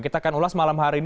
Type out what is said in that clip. kita akan ulas malam hari ini